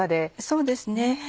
そうですね